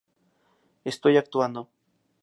Estoy actuando.